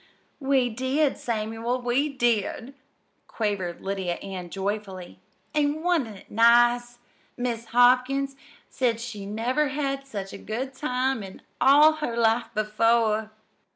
"We did, Samuel, we did," quavered Lydia Ann joyfully, "an' wa'n't it nice? Mis' Hopkins said she never had such a good time in all her life before."